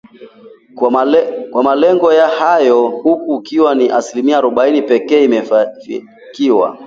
kwa malengo hayo huku ikiwa ni asilimia arobaini pekee imeafikiwa